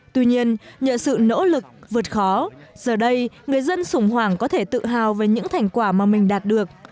tuy nhiên nhờ sự nỗ lực vượt khó giờ đây người dân sùng hoàng có thể tự hào về những thành quả mà mình đạt được